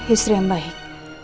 istri yang baik